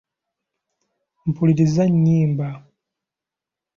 Mpuliriza nnyimba.